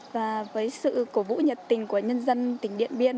và với sự cổ vũ nhiệt tình của nhân dân tỉnh điện biên